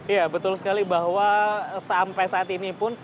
ya betul sekali bahwa sampai saat ini pun